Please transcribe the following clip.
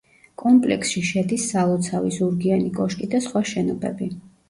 კომპლექსში შედის სალოცავი, ზურგიანი კოშკი და სხვა შენობები.